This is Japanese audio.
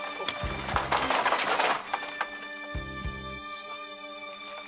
すまん。